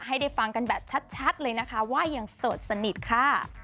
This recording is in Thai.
ให้ได้ฟังกันแบบชัดเลยนะคะว่ายังโสดสนิทค่ะ